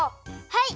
はい！